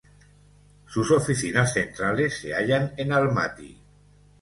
Sus oficinas centrales se hallan en Almaty.